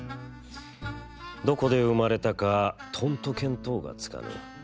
どこで生まれたかとんと見当がつかぬ。